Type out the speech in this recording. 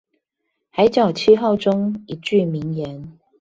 海角七號中一句名言